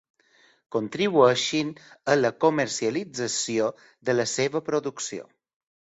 Contribueixin a la comercialització de la seva producció.